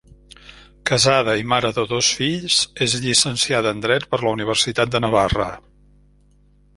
Casada i mare de dos fills, és llicenciada en dret per la Universitat de Navarra.